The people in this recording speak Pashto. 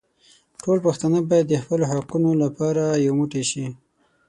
ټول پښتانه بايد د خپلو حقونو لپاره يو موټي شي.